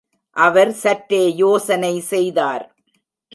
அவர் சற்றே யோசனை செய்தார்.